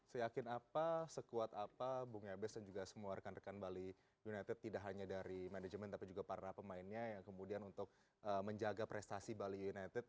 seyakin apa sekuat apa bung ebes dan juga semua rekan rekan bali united tidak hanya dari manajemen tapi juga para pemainnya yang kemudian untuk menjaga prestasi bali united